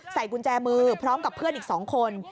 กุญแจมือพร้อมกับเพื่อนอีก๒คน